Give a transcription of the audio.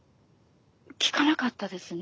聞かなかったですね。